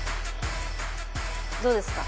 どうですか？